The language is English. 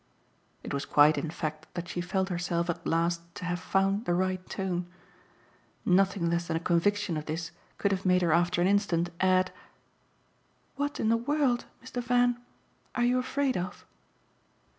It was quite in fact that she felt herself at last to have found the right tone. Nothing less than a conviction of this could have made her after an instant add: "What in the world, Mr. Van, are you afraid of?"